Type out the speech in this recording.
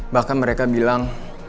bahkan mereka bilang